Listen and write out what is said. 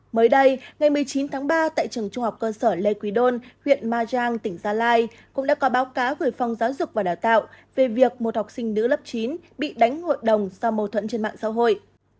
mới đây ngày một mươi chín tháng ba tại trường trung học cơ sở lê quý đôn huyện ma giang tỉnh gia lai cũng đã có báo cáo gửi phòng giáo dục và đào tạo về việc một học sinh nữ lớp chín bị đánh hội đồng do mâu thuẫn trên mạng xã hội